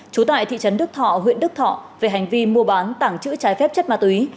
trú tại thị trấn đức thọ huyện đức thọ về hành vi mua bán tảng chữ trái phép chất ma túy